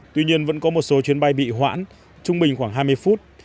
tuy nhiên vẫn có một số chuyến bay bị hoãn trung bình khoảng hai mươi phút